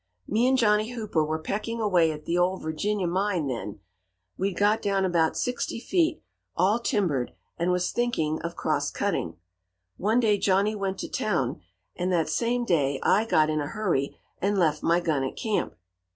"Me and Johnny Hooper were pecking away at the Ole Virginia mine then. We'd got down about sixty feet, all timbered, and was thinking of crosscutting. One day Johnny went to town, and that same day I got in a hurry and left my gun at camp.